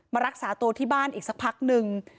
รักษาตัวที่บ้านอีกสักพักนึง